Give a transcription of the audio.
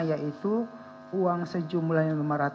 yaitu uang sejumlahnya